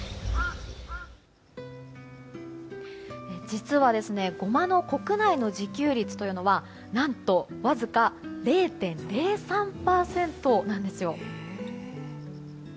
実はゴマの国内の自給率というのは何とわずか０．０３％なんですよ。